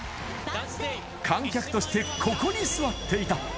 観客としてここに座っていた。